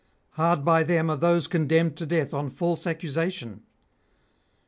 Hard by them are those condemned to death on false accusation.